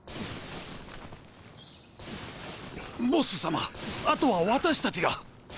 ボッス様後は私たちが。